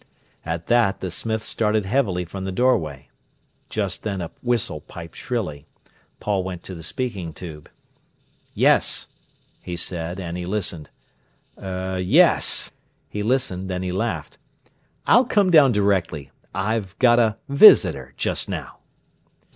At that the smith started heavily from the doorway. Just then a whistle piped shrilly. Paul went to the speaking tube. "Yes!" he said, and he listened. "Er—yes!" He listened, then he laughed. "I'll come down directly. I've got a visitor just now."